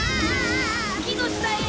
木の下へ！